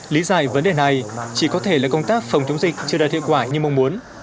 lý giải vấn đề này chỉ có thể là công tác phòng chống dịch chưa đạt hiệu quả như mong muốn